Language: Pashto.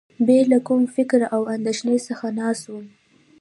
بې له کوم فکر او اندېښنې څخه ناست وم.